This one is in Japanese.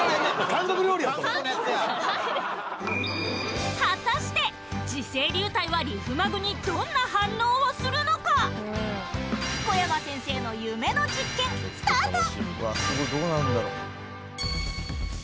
韓国料理やそれ果たして磁性流体はリフマグにどんな反応をするのか小山先生の夢の実験スタート！